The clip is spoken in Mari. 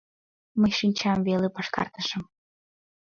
Мый шинчам веле пашкартышым.